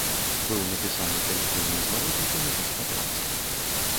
Быў напісаны калектыўны зварот у камітэт па працы.